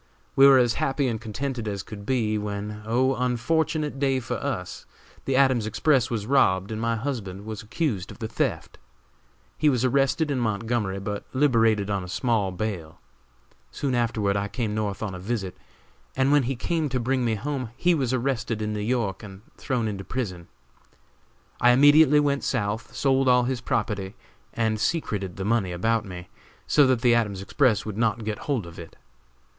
We were as happy and contented as could be, when oh! unfortunate day for us! the Adams Express was robbed and my husband was accused of the theft. He was arrested in Montgomery, but liberated on small bail. Soon afterward I came North on a visit, and when he came to bring me home he was arrested in New York and thrown into prison. I immediately went South, sold all his property and secreted the money about me, so that the Adams Express would not get hold of it.